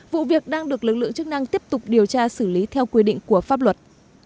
vụ việc đang được lực lượng chức năng tiếp tục điều tra xử lý theo quy định của pháp luật